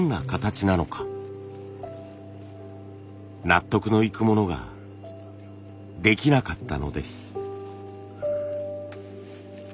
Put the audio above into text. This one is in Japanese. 納得のいくものができなかったのです。